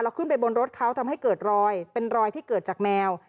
ขึ้นไปบนรถเขาทำให้เกิดรอยเป็นรอยที่เกิดจากแมว